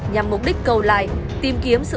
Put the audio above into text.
nhằm mục đích câu like